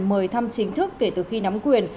mời thăm chính thức kể từ khi nắm quyền